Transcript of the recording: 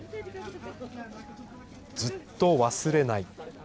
ずっと忘れない。